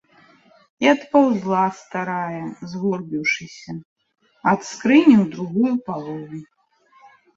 І адпаўзла старая, згорбіўшыся, ад скрыні ў другую палову.